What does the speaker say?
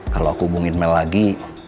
kalau aku hubungin mel lagi